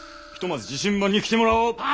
ひとまず自身番に来てもらおう。